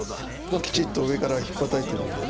きちっと上から引っぱたいているのでね。